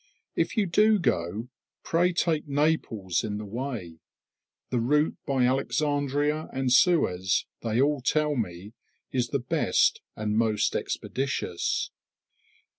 If you do go, pray take Naples in the way. The route by Alexandria and Suez, they all tell me, is the best and most expeditious.